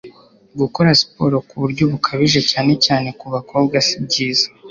gukora siporo ku buryo bukabije cyane cyane ku bakobwa sibyiza